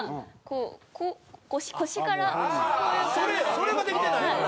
それができてないのよ。